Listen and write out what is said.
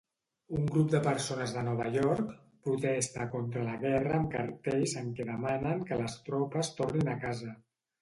Un grup de persones de Nova York protesta contra la guerra amb cartells en què demanen que les tropes tornin a casa.